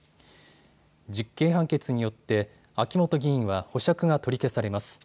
実刑判決によって秋元議員は保釈が取り消されます。